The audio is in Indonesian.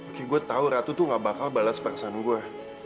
oke gue tau ratu tuh gak bakal balas paksa dulu gue